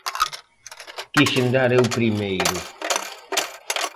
Quixen dar eu primeiro.